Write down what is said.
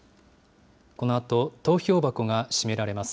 このあと投票箱が閉められます。